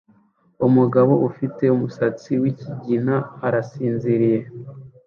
Umugabo ufite umusatsi wikigina arasinziriye